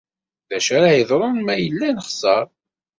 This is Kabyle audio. D acu ara yeḍrun ma yella nexser?